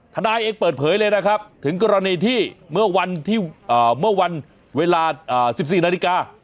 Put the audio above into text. นายเองเปิดเผยเลยนะครับถึงกรณีที่เมื่อวันเวลา๑๔นาฬิกา